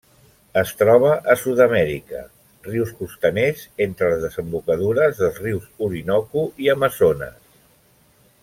Es troba a Sud-amèrica: rius costaners entre les desembocadures dels rius Orinoco i Amazones.